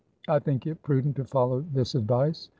I think it prudent to follow this advice.